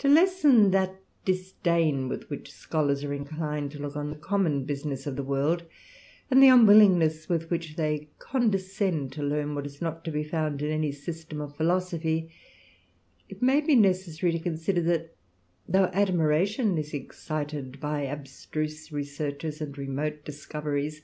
To lessen that disdain with which scholars are inclined ^ to look on the common business of the world, and the ^ unwillingness with which they condescend to learn what is not to be found in any system of philosophy, it ma] be necessary to consider that, though admiration excited by abstruse researches and remote discoveries.